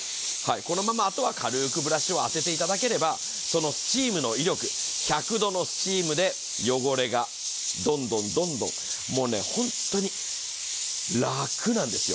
このままあとはブラシを使っていただければ、そのスチームの威力、１００度のスチームで汚れがどんどんどんどんもうね、本当に楽なんですよ。